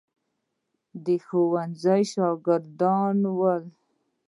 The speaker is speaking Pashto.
د ښوونځي شاګردان ول.